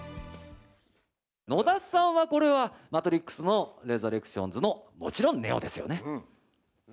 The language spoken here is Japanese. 野田さんは、これは、マトリックスのレザレクションズのもちろんネオですよね？